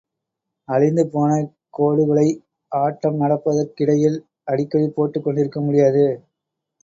அழிந்துபோன கோடுகளை ஆட்டம் நடப்பதற் கிடையில் அடிக்கடி போட்டுக் கொண்டிருக்க முடியாது.